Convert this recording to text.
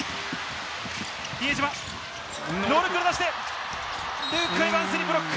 比江島、ノールックで出して、ルーク・エヴァンス、ブロック！